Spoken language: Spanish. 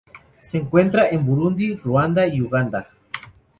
Se encuentra en Burundi, Ruanda, y Uganda.